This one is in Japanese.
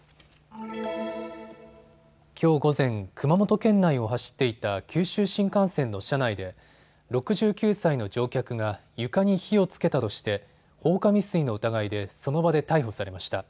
きょう午前、熊本県内を走っていた九州新幹線の車内で６９歳の乗客が床に火をつけたとして放火未遂の疑いでその場で逮捕されました。